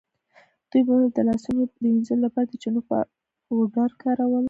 دوی به د لاسونو د وینځلو لپاره د چنو پاوډر کارول.